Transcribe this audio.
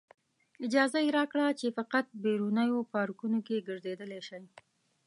اجازه یې راکړه چې فقط بیرونیو پارکونو کې ګرځېدلی شئ.